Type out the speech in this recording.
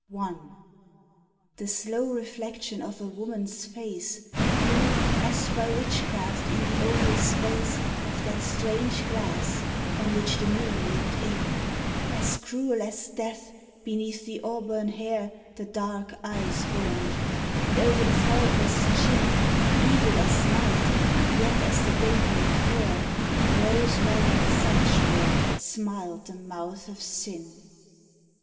I. The slow reflection of a woman's face Grew, as by witchcraft, in the oval space Of that strange glass on which the moon looked in: As cruel as death beneath the auburn hair The dark eyes burned; and, o'er the faultless chin, Evil as night yet as the daybreak fair, Rose red and sensual smiled the mouth of sin.